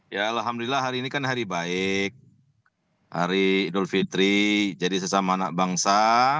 ya alhamdulillah hari ini kan hari baik hari idul fitri jadi sesama anak bangsa